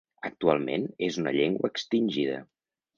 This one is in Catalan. Actualment és una llengua extingida.